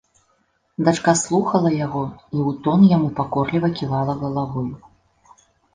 Дачка слухала яго і ў тон яму пакорліва ківала галавой.